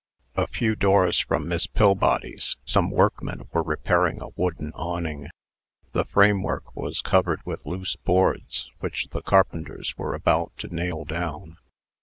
A few doors from Miss Pillbody's, some workmen were repairing a wooden awning. The framework was covered with loose boards, which the carpenters were about to nail down.